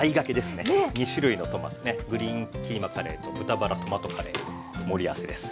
２種類のトマトねグリーンキーマカレーと豚バラトマトカレー盛り合わせです。